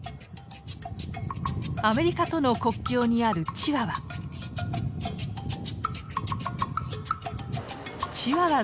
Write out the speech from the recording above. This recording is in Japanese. アメリカとの国境にあるチワワ。